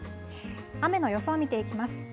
雨の予想を見ていきます。